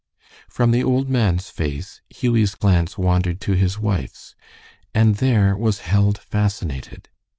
From the old man's face, Hughie's glance wandered to his wife's, and there was held fascinated.